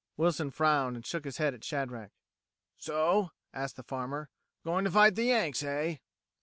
Wilson frowned and shook his head at Shadrack. "So?" asked the farmer. "Goin' to fight the Yanks, eh?"